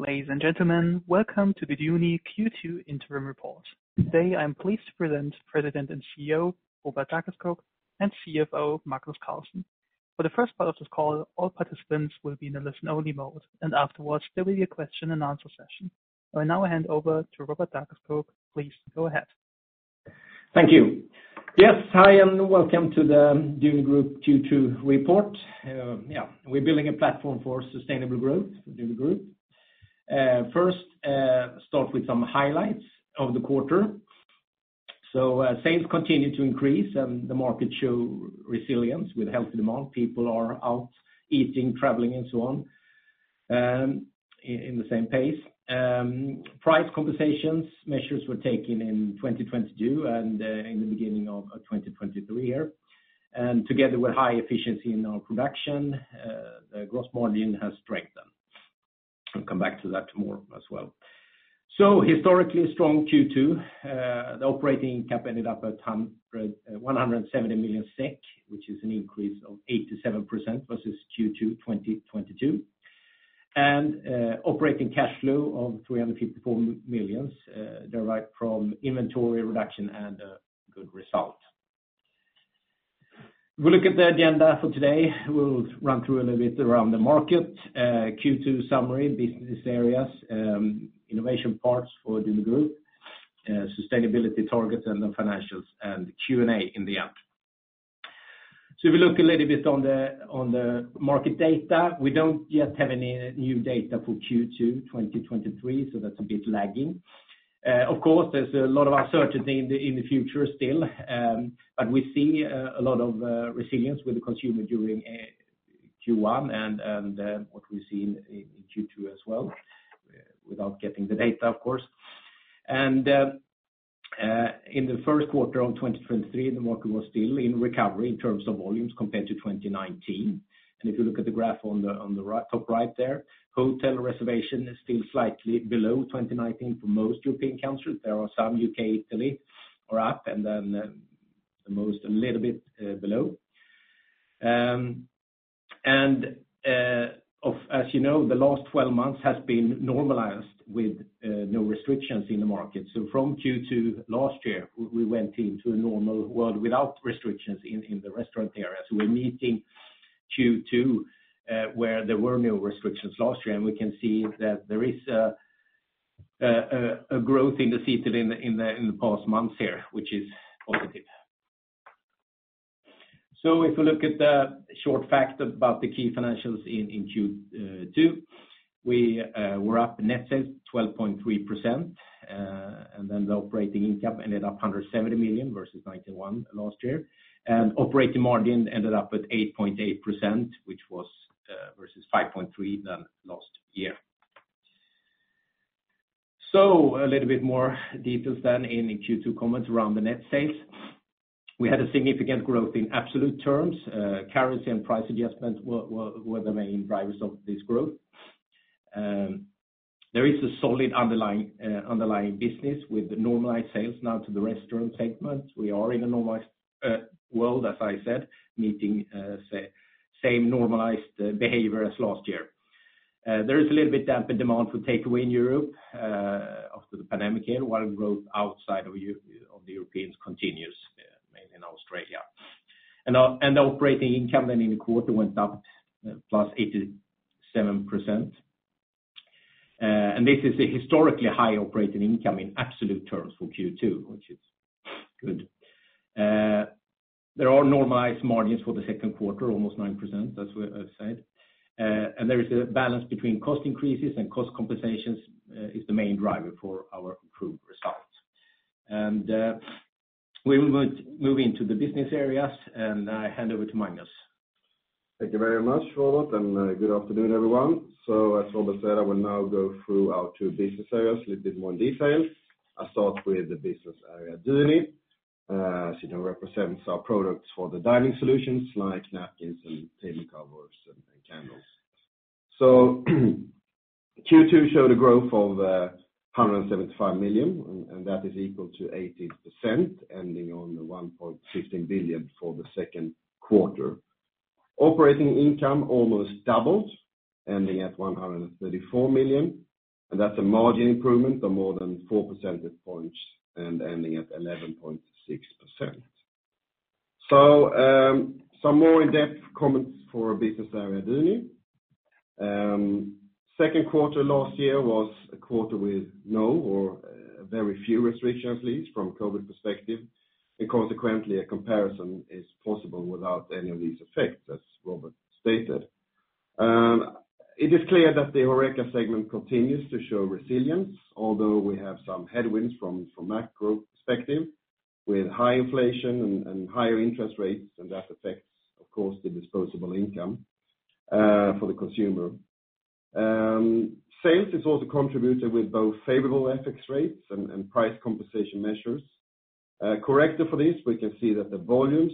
Ladies and gentlemen, welcome to the Duni Q2 Interim Report. Today, I'm pleased to present President and CEO, Robert Dackeskog, and CFO, Magnus Carlsson. For the first part of this call, all participants will be in a listen-only mode. Afterwards, there will be a question-and-answer session. I now hand over to Robert Dackeskog. Please, go ahead. Thank you. Yes, hi, welcome to the Duni Group Q2 Report. Yeah, we're building a platform for sustainable growth, Duni Group. First, start with some highlights of the quarter. Sales continued to increase, and the market show resilience with healthy demand. People are out eating, traveling, and so on, in the same pace. Price conversations, measures were taken in 2022 and in the beginning of 2023 year. Together with high efficiency in our production, the gross margin has strengthened. I'll come back to that more as well. Historically strong Q2, the operating cap ended up at 170 million SEK, which is an increase of 87% versus Q2 2022. Operating cash flow of 354 million derived from inventory reduction and a good result. We'll look at the agenda for today. We'll run through a little bit around the market, Q2 summary, business areas, innovation parts for Duni Group, sustainability targets and the financials, and Q&A in the end. If we look a little bit on the market data, we don't yet have any new data for Q2 2023, so that's a bit lagging. Of course, there's a lot of uncertainty in the future still, we see a lot of resilience with the consumer during Q1 and what we see in Q2 as well, without getting the data, of course. In the first quarter of 2023, the market was still in recovery in terms of volumes compared to 2019. If you look at the graph on the right, top right there, hotel reservation is still slightly below 2019 for most European countries. There are some U.K., Italy, are up, then the most, a little bit, below. As you know, the last 12 months has been normalized with no restrictions in the market. From Q2 last year, we went into a normal world without restrictions in the restaurant area. We're meeting Q2 where there were no restrictions last year, and we can see that there is a growth in the seating in the past months here, which is positive. If you look at the short facts about the key financials in Q2, we were up net sales 12.3%, and then the operating income ended up 170 million versus 91 million last year. Operating margin ended up at 8.8%, which was versus 5.3% than last year. A little bit more details than in Q2 comments around the net sales. We had a significant growth in absolute terms. Currency and price adjustments were the main drivers of this growth. There is a solid underlying business with the normalized sales now to the restaurant segment. We are in a normalized world, as I said, meeting same normalized behavior as last year. There is a little bit dampened demand for takeaway in Europe after the pandemic here, while growth outside of the Europeans continues mainly in Australia. The operating income then in the quarter went up +87%. This is a historically high operating income in absolute terms for Q2, which is good. There are normalized margins for the second quarter, almost 9%, that's what I said. There is a balance between cost increases and cost compensations is the main driver for our improved results. We will go move into the business areas, and I hand over to Magnus. Thank you very much, Robert, and good afternoon, everyone. As Robert said, I will now go through our two business areas a little bit more in detail. I start with the business area Duni, since it represents our products for the dining solutions, like napkins and table covers and candles. Q2 showed a growth of 175 million, and that is equal to 80%, ending on 1.16 billion for the second quarter. Operating income almost doubled, ending at 134 million, and that's a margin improvement of more than four percentage points and ending at 11.6%. Some more in-depth comments for business area Duni. Second quarter last year was a quarter with no or very few restrictions, at least from a COVID perspective, and consequently, a comparison is possible without any of these effects, as Robert stated. It is clear that the HoReCa segment continues to show resilience, although we have some headwinds from macro perspective, with high inflation and higher interest rates, and that affects, of course, the disposable income for the consumer. Sales has also contributed with both favorable FX rates and price compensation measures. Corrected for this, we can see that the volumes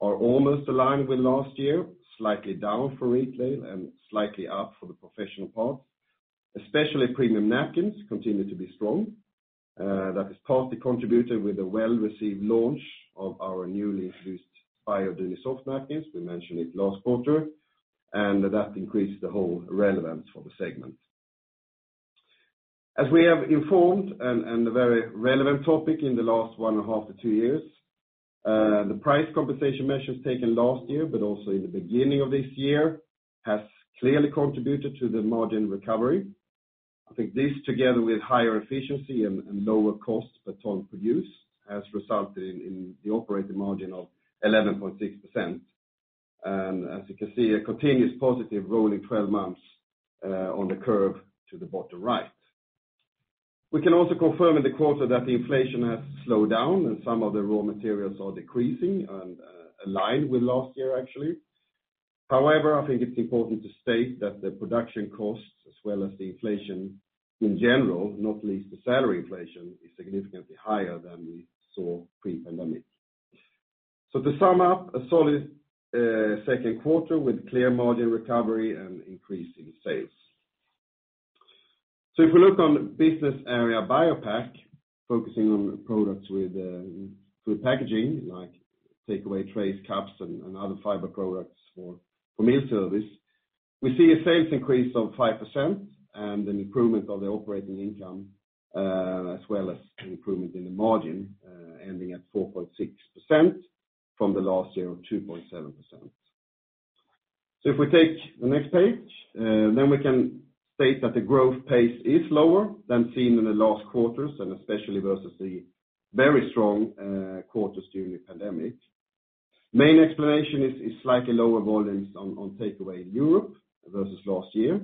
are almost aligned with last year, slightly down for retail and slightly up for the professional part. Especially premium napkins continue to be strong, that is partly contributed with a well-received launch of our newly introduced Bio Dunisoft napkins. We mentioned it last quarter, and that increased the whole relevance for the segment. As we have informed, and a very relevant topic in the last one and a half to two years, the price compensation measures taken last year, but also in the beginning of this year, has clearly contributed to the margin recovery. I think this, together with higher efficiency and lower costs per ton produced, has resulted in the operating margin of 11.6%. As you can see, a continuous positive rolling 12 months on the curve to the bottom right. We can also confirm in the quarter that the inflation has slowed down, and some of the raw materials are decreasing and aligned with last year, actually. However, I think it's important to state that the production costs, as well as the inflation in general, not least the salary inflation, is significantly higher than we saw pre-pandemic. To sum up, a solid, second quarter with clear margin recovery and increasing sales. If we look on the business area, BioPak, focusing on products with, food packaging, like takeaway trays, cups, and other fiber products for meal service, we see a sales increase of 5% and an improvement of the operating income, as well as an improvement in the margin, ending at 4.6% from the last year of 2.7%. If we take the next page, then we can state that the growth pace is lower than seen in the last quarters, and especially versus the very strong, quarters during the pandemic. Main explanation is slightly lower volumes on takeaway in Europe versus last year,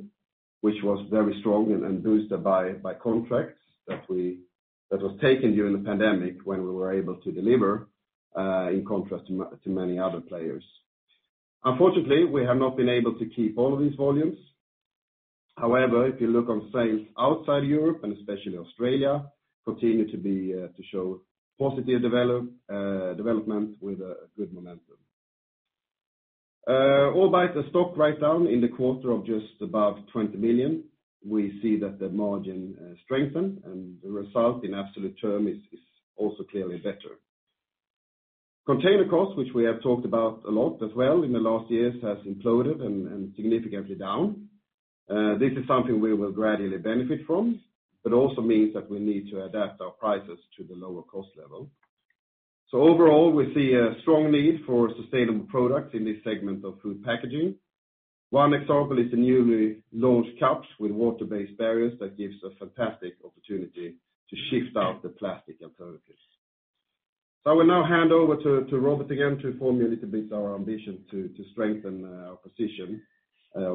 which was very strong and boosted by contracts that was taken during the pandemic, when we were able to deliver in contrast to many other players. Unfortunately, we have not been able to keep all of these volumes. If you look on sales outside Europe, and especially Australia, continue to be to show positive development with a good momentum. Albeit a stock write-down in the quarter of just about 20 million, we see that the margin strengthened, and the result in absolute term is also clearly better. Container costs, which we have talked about a lot as well in the last years, has imploded and significantly down. This is something we will gradually benefit from, but also means that we need to adapt our prices to the lower cost level. Overall, we see a strong need for sustainable products in this segment of food packaging. One example is the newly launched cups with water-based barriers that gives a fantastic opportunity to shift out the plastic alternatives. I will now hand over to Robert Dackeskog again, to form a little bit our ambition to strengthen our position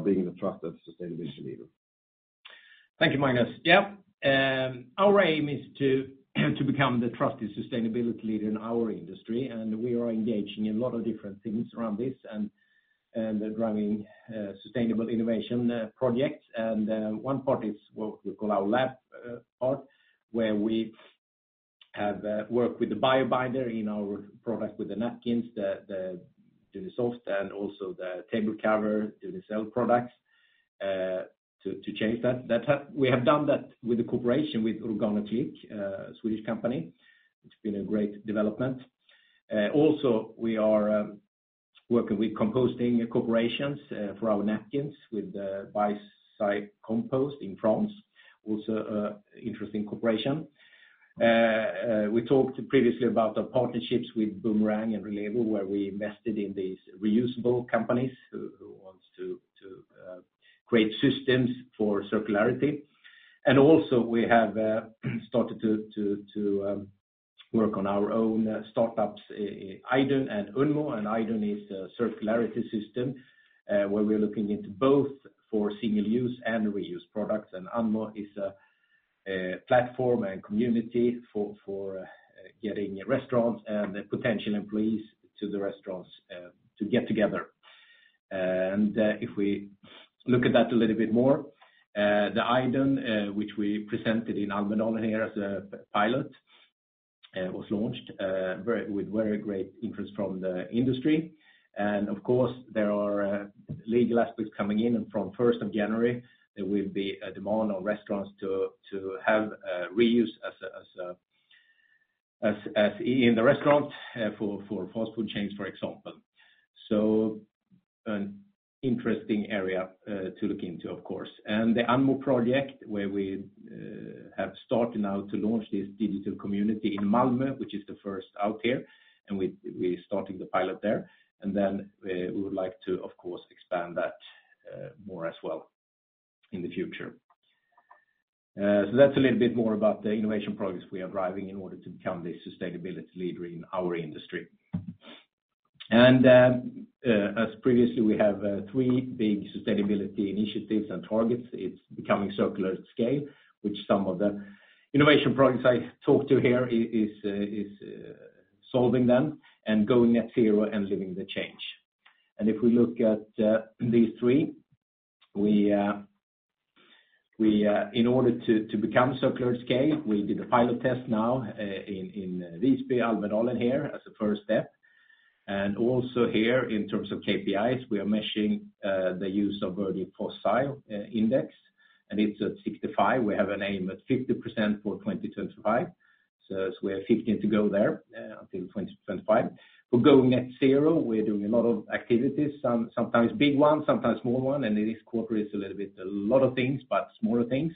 being the trusted sustainability leader. Thank you, Magnus. Yeah, our aim is to become the trusted sustainability leader in our industry. We are engaging in a lot of different things around this and driving sustainable innovation projects. One part is what we call our lab part, where we have worked with the bio binder in our products, with the napkins, the Dunisoft, and also the table cover, Dunicel products, to change that. We have done that with the cooperation with OrganoClick, Swedish company. It's been a great development. Also, we are working with composting corporations for our napkins, with Biocycle Compost in France. Also, a interesting corporation. We talked previously about the partnerships with Bumerang and Relevo, where we invested in these reusable companies who wants to create systems for circularity. Also, we have started to work on our own startups, Idun and Unmo. Idun is a circularity system where we're looking into both for single use and reuse products. Unmo is a platform and community for getting restaurants and potential employees to the restaurants to get together. If we look at that a little bit more, the Idun, which we presented in Almedalen here as a pilot, was launched with very great interest from the industry. Of course, there are legal aspects coming in, and from first of January, there will be a demand on restaurants to have reuse as a in the restaurant for fast food chains, for example. An interesting area to look into, of course. The Unmo project, where we have started now to launch this digital community in Malmö, which is the first out here, and we're starting the pilot there. We would like to, of course, expand that more as well in the future. That's a little bit more about the innovation projects we are driving in order to become the sustainability leader in our industry. As previously, we have three big sustainability initiatives and targets. It's becoming circular at scale, which some of the innovation projects I talked to here is solving them, and going net zero and living the change. If we look at these three, we in order to become circular at scale, we did a pilot test now in Visby, Almedalen here, as a first step. Also here, in terms of KPIs, we are measuring the use of early fossil index, and it's at 65%. We have an aim at 50% for 2025, so we have 15 to go there until 2025. We're going at zero. We're doing a lot of activities, sometimes big ones, sometimes small one, this quarter is a little bit, a lot of things, but smaller things,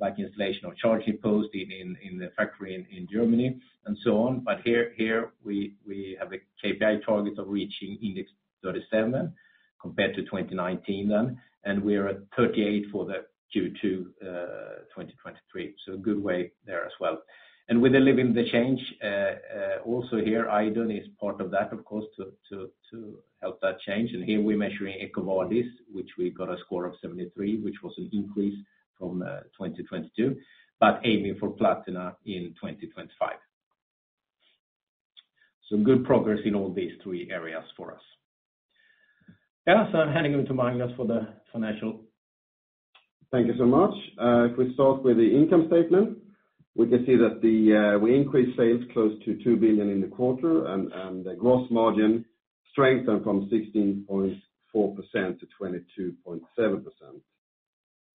like installation of charging post in the factory in Germany, and so on. Here we have a KPI target of reaching index 37 compared to 2019 then, and we are at 38 for the Q2 2023. A good way there as well. With the living the change also here, Idun is part of that, of course, to help that change. Here, we're measuring EcoVadis, which we got a score of 73, which was an increase from 2022, but aiming for platinum in 2025. Some good progress in all these three areas for us. Yeah, I'm handing over to Magnus for the financial. Thank you so much. If we start with the income statement, we can see that we increased sales close to 2 billion in the quarter, and the gross margin strengthened from 16.4% to 22.7%.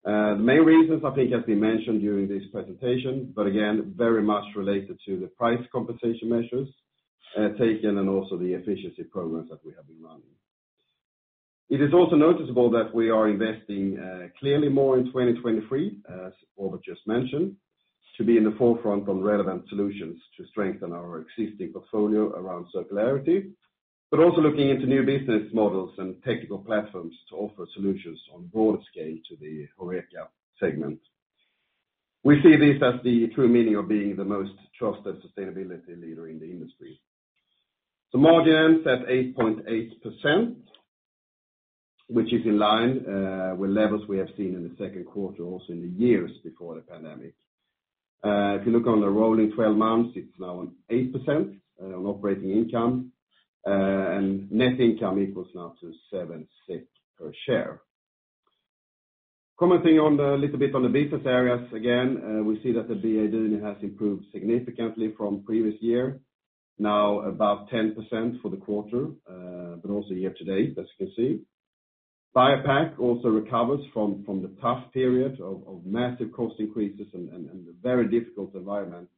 The main reasons, I think, have been mentioned during this presentation, but again, very much related to the price compensation measures taken, and also the efficiency programs that we have been running. It is also noticeable that we are investing clearly more in 2023, as Robert just mentioned, to be in the forefront on relevant solutions to strengthen our existing portfolio around circularity, but also looking into new business models and technical platforms to offer solutions on broader scale to the HORECA segment. We see this as the true meaning of being the most trusted sustainability leader in the industry. Margins at 8.8%, which is in line with levels we have seen in the second quarter, also in the years before the pandemic. If you look on the rolling 12 months, it's now on 8% on operating income, and net income equals now to 7 SEK per share. Commenting a little bit on the business areas, again, we see that the BA Duni has improved significantly from previous year, now above 10% for the quarter, but also year to date, as you can see. BioPak also recovers from the tough period of massive cost increases and a very difficult environment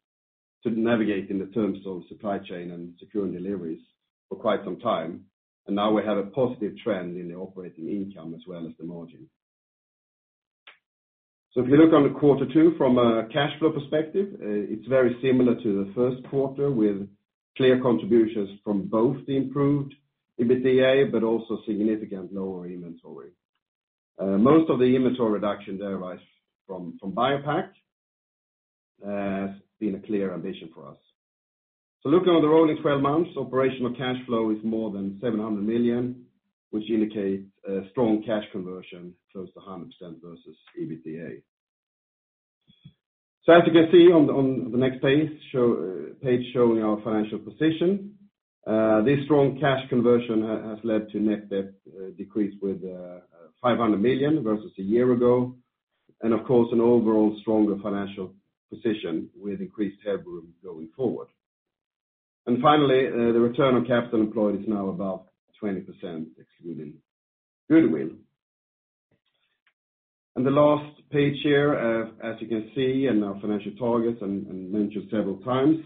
to navigate in the terms of supply chain and secure deliveries for quite some time. Now we have a positive trend in the operating income as well as the margin. If you look on the quarter two from a cash flow perspective, it's very similar to the first quarter, with clear contributions from both the improved EBITDA, but also significant lower inventory. Most of the inventory reduction derives from BioPak, has been a clear ambition for us. Looking on the rolling 12 months, operational cash flow is more than 700 million, which indicates a strong cash conversion, close to 100% versus EBITDA. As you can see on the next page showing our financial position, this strong cash conversion has led to net debt decrease with 500 million versus a year ago, and of course, an overall stronger financial position with increased headroom going forward. Finally, the return on capital employed is now about 20%, excluding goodwill. The last page here, as you can see, in our financial targets mentioned several times,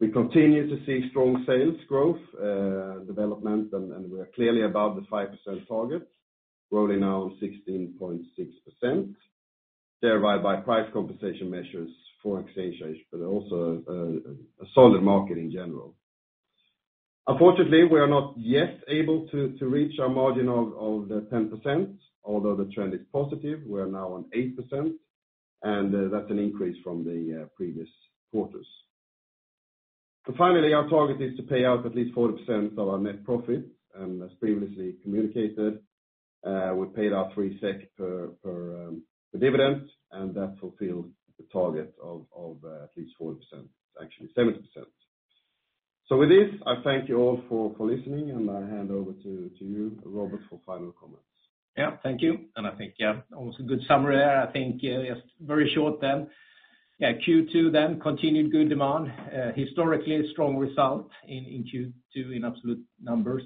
we continue to see strong sales growth development, we're clearly above the 5% target, growing now 16.6%, thereby by price compensation measures, forex hedge, but also a solid market in general. Unfortunately, we are not yet able to reach our margin of 10%, although the trend is positive. We are now on 8%, that's an increase from the previous quarters. Finally, our target is to pay out at least 40% of our net profit, and as previously communicated, we paid out 3 SEK per dividend, and that fulfilled the target of at least 40%, actually 70%. With this, I thank you all for listening, and I hand over to you, Robert, for final comments. Yeah, thank you. I think, yeah, almost a good summary there. I think, yes, very short then. Yeah, Q2 then, continued good demand, historically strong result in Q2 in absolute numbers.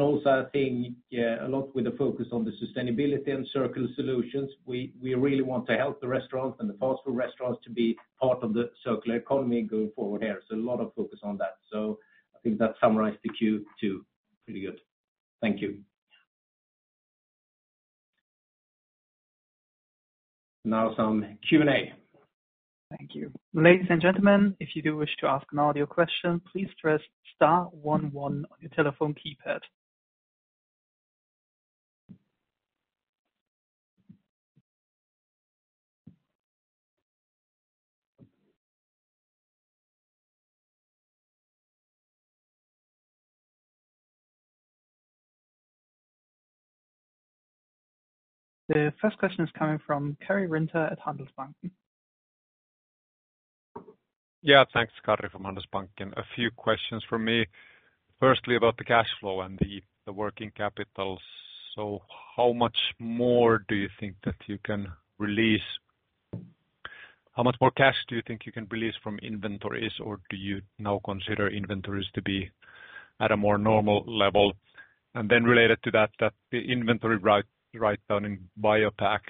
Also, I think, a lot with the focus on the sustainability and circular solutions, we really want to help the restaurants and the fast food restaurants to be part of the circular economy going forward here. A lot of focus on that. I think that summarized the Q2 pretty good. Thank you. Now some Q&A. Thank you. Ladies and gentlemen, if you do wish to ask an audio question, please press star one one on your telephone keypad. The first question is coming from Karri Rinta at Handelsbanken. Yeah, thanks, Karri from Handelsbanken. A few questions from me. Firstly, about the cash flow and the working capital. How much more cash do you think you can release from inventories, or do you now consider inventories to be at a more normal level? Then related to that, the inventory write down in BioPak.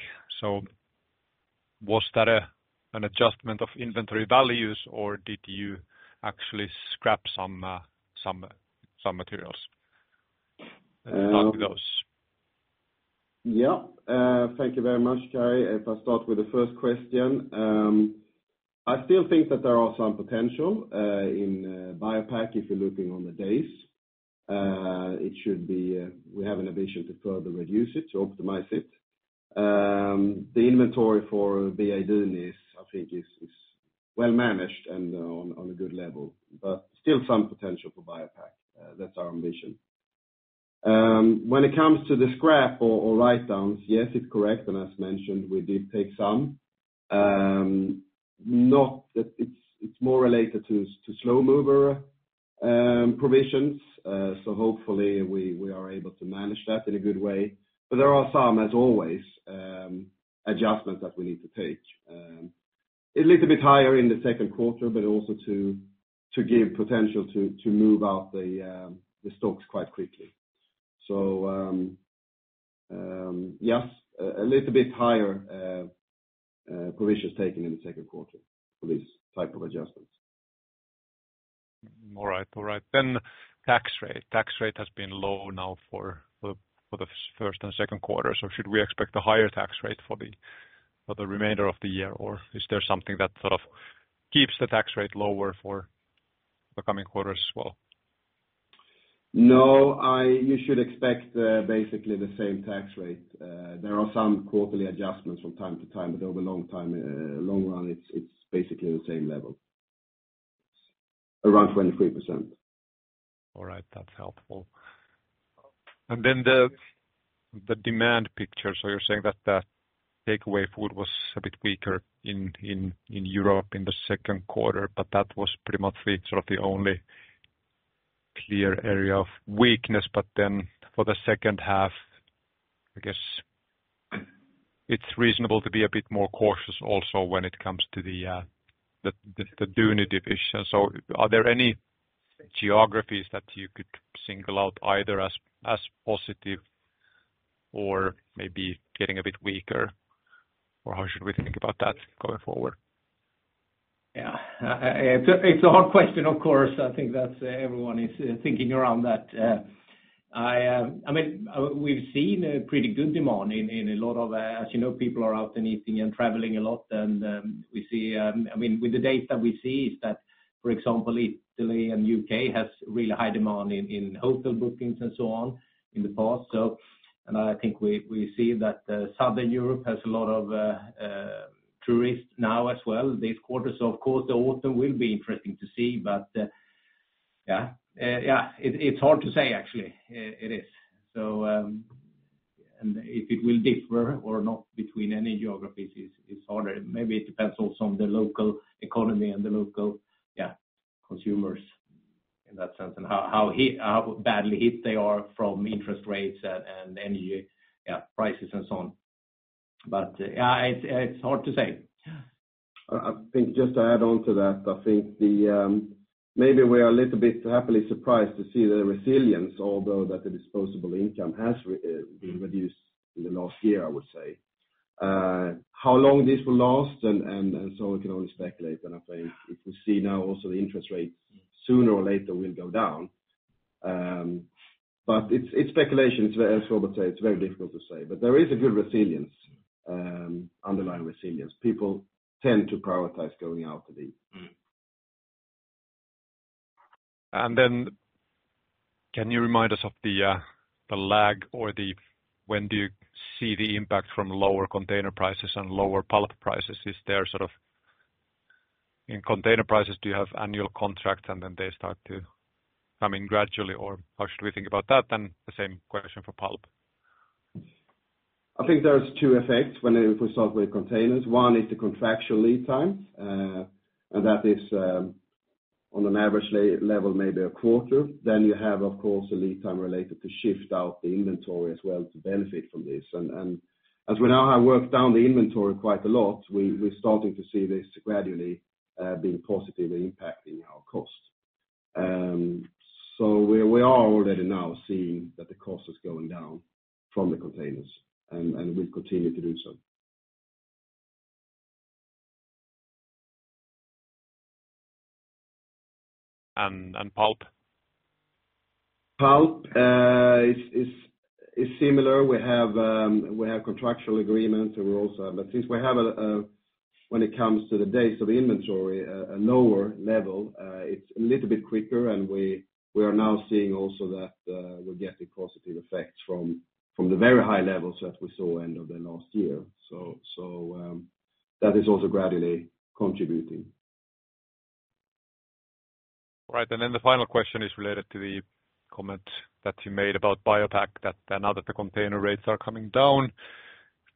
Was that an adjustment of inventory values, or did you actually scrap some materials? Let's start with those. Yeah. Thank you very much, Karri. If I start with the first question, I still think that there are some potential in BioPak, if you're looking on the days. It should be, we have an ambition to further reduce it, to optimize it. The inventory for the BA Duni is, I think, is well managed and on a good level, but still some potential for BioPak. That's our ambition. When it comes to the scrap or write downs, yes, it's correct, and as mentioned, we did take some. Not that it's more related to slow mover provisions, so hopefully we are able to manage that in a good way. There are some, as always, adjustments that we need to take. A little bit higher in the second quarter, but also to give potential to move out the stocks quite quickly. Yes, a little bit higher provisions taken in the second quarter for these type of adjustments. All right. All right. Tax rate. Tax rate has been low now for the first and second quarter. Should we expect a higher tax rate for the remainder of the year, or is there something that sort of keeps the tax rate lower for the coming quarters as well? You should expect basically the same tax rate. There are some quarterly adjustments from time to time, but over long time, long run, it's basically the same level. Around 23%. All right. That's helpful. The demand picture. You're saying that the takeaway food was a bit weaker in Europe in the second quarter, but that was pretty much the, sort of the only clear area of weakness. For the second half, I guess, it's reasonable to be a bit more cautious also when it comes to the Duni division. Are there any geographies that you could single out either as positive or maybe getting a bit weaker? How should we think about that going forward? Yeah, it's a hard question, of course. I think that's everyone is thinking around that. I mean, we've seen a pretty good demand in a lot of... As you know, people are out and eating and traveling a lot, and we see, I mean, with the data we see is that, for example, Italy and U.K. has really high demand in hotel bookings and so on, in the past. I think we see that Southern Europe has a lot of tourists now as well this quarter. Of course, the autumn will be interesting to see, but yeah, it's hard to say, actually. It is. If it will differ or not between any geographies, it's harder. Maybe it depends also on the local economy and the local, yeah, consumers in that sense, and how hit, how badly hit they are from interest rates and energy, yeah, prices and so on. Yeah, it's hard to say. I think just to add on to that, I think the, maybe we are a little bit happily surprised to see the resilience, although that the disposable income has been reduced in the last year, I would say. How long this will last and so we can only speculate, and I think if we see now also the interest rates sooner or later will go down. It's speculation. It's very difficult to say, but there is a good resilience, underlying resilience. People tend to prioritize going out to eat. Then can you remind us of the lag or the, when do you see the impact from lower container prices and lower pulp prices? In container prices, do you have annual contracts, and then they start to coming gradually, or how should we think about that? The same question for pulp. I think there's two effects when we start with containers. One is the contractual lead time, and that is, on an average level, maybe a quarter. You have, of course, a lead time related to shift out the inventory as well to benefit from this. As we now have worked down the inventory quite a lot, we're starting to see this gradually being positively impacting our cost. We are already now seeing that the cost is going down from the containers, and will continue to do so. pulp? Pulp is similar. We have contractual agreements, and we also have... Since we have a, when it comes to the days of the inventory, a lower level, it's a little bit quicker, and we are now seeing also that we're getting positive effects from the very high levels that we saw end of the last year. That is also gradually contributing. The final question is related to the comment that you made about BioPak, that now that the container rates are coming down,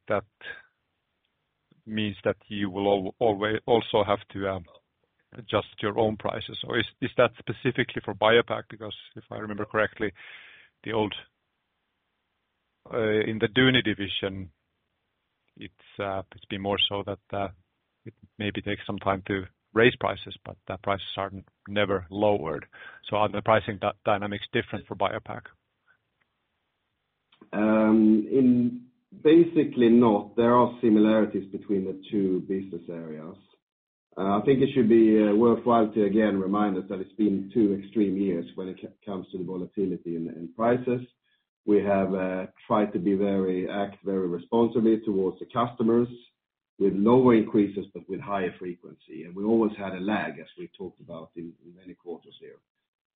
that means that you will always also have to adjust your own prices. Is that specifically for BioPak? If I remember correctly, in the Duni division, it's been more so that it maybe takes some time to raise prices, but the prices are never lowered. Are the pricing dynamics different for BioPak? Basically not. There are similarities between the two business areas. I think it should be worthwhile to again remind us that it's been two extreme years when it comes to the volatility in prices. We have tried to act very responsibly towards the customers with lower increases, but with higher frequency. We always had a lag, as we talked about in many quarters here.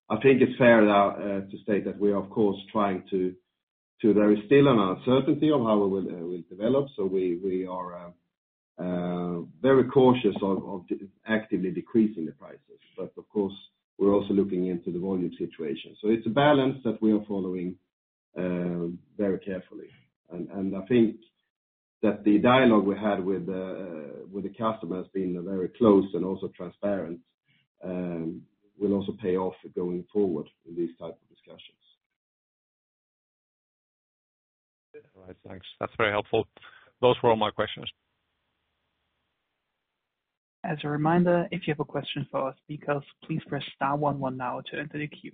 I think it's fair now to state that we are, of course, trying to. There is still an uncertainty on how it will develop, so we are very cautious of actively decreasing the prices. Of course, we're also looking into the volume situation. It's a balance that we are following very carefully. I think that the dialogue we had with the customers being very close and also transparent, will also pay off going forward in these type of discussions. All right, thanks. That's very helpful. Those were all my questions. As a reminder, if you have a question for our speakers, please press star one one now to enter the queue.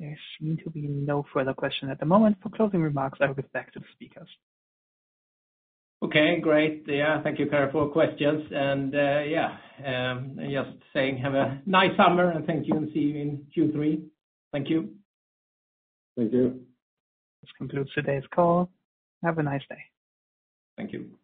There seem to be no further question at the moment. For closing remarks, I will give back to the speakers. Okay, great. Yeah, thank you, Per, for questions. Yeah, just saying have a nice summer, and thank you, and see you in Q3. Thank you. Thank you. This concludes today's call. Have a nice day. Thank you.